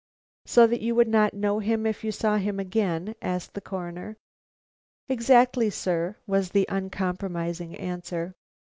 "So that you would not know him if you saw him again?" asked the Coroner. "Exactly, sir," was the uncomprising answer.